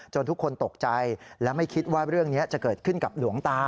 ทุกคนตกใจและไม่คิดว่าเรื่องนี้จะเกิดขึ้นกับหลวงตา